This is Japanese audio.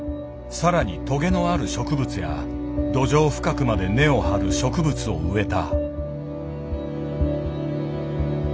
更にとげのある植物や土壌深くまで根を張る植物を植えた。